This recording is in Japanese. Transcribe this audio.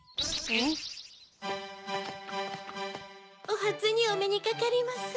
おはつにおめにかかります。